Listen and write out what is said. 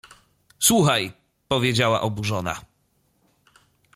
— Słuchaj! — powiedziała oburzona.